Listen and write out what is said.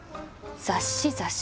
雑誌雑誌